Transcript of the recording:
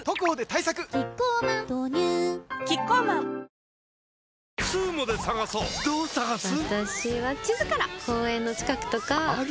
キッコーマン豆乳キッコーマン発する！